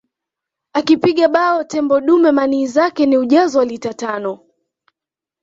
Akipiga bao tembo dume manii zake ni ujazo wa lita tano